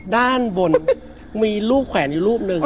ด้านบนมีรูปแขวนอยู่รูปหนึ่ง